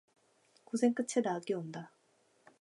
고생 끝에 낙이 온다